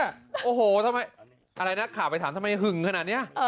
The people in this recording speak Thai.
โอ้โหทำไมอะไรนักข่าวไปถามทำไมหึงขนาดนี้